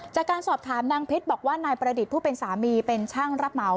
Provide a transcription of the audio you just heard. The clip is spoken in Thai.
จากการสอบถามนางเพชรบอกว่านายประดิษฐ์ผู้เป็นสามีเป็นช่างรับเหมา